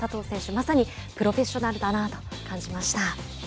まさにプロフェッショナルだなと感じました。